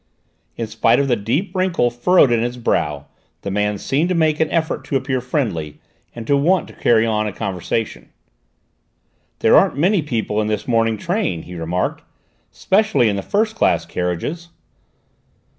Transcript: In spite of the deep wrinkle furrowed in his brow the man seemed to make an effort to appear friendly and to want to carry on the conversation. "There aren't many people in this morning train," he remarked, "specially in the first class carriages."